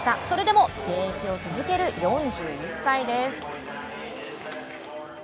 それでも現役を続ける４１歳です。